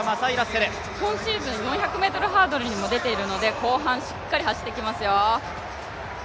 今シーズン４００ｍハードルにも出ているので後半しっかり走ってきますよ。